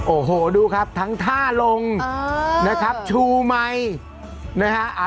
โอ้โหดูครับทั้งท่าลงนะครับชูไมค์นะฮะ